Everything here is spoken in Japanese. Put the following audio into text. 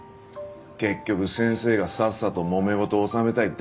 結局先生がさっさともめ事を収めたいだけなんだろって。